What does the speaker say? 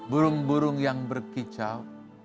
burung burung yang berkicau